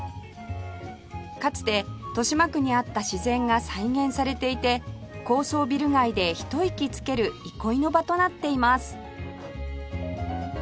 かつて豊島区にあった自然が再現されていて高層ビル街でひと息つける憩いの場となっています